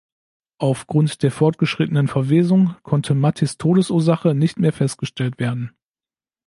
Aufgrund der fortgeschrittenen Verwesung konnte Mathis’ Todesursache nicht mehr festgestellt werden.